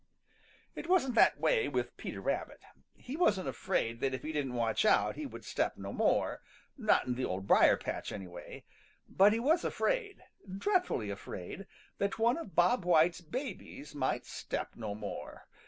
= |IT wasn't that way with Peter Rabbit. He wasn't afraid that if he didn't watch out he would step no more, not in the Old Briar patch anyway, but he was afraid, dreadfully afraid, that one of Bob White's babies might step no more.